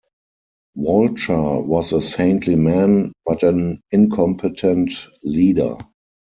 Walcher was a saintly man but an incompetent leader.